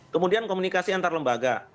kemudian komunikasi antar lembaga